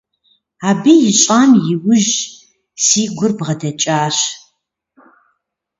Абы ищӏам иужь си гур бгъэдэкӏащ.